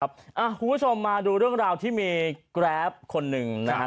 คุณผู้ชมมาดูเรื่องราวที่มีแกรปคนหนึ่งนะครับ